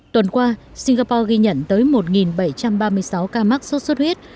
tuần qua singapore ghi nhận tới một bảy trăm ba mươi sáu ca mắc sốt xuất huyết